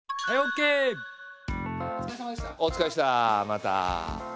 また。